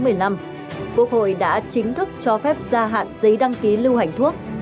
quốc hội đã chính thức cho phép gia hạn giấy đăng ký lưu hành thuốc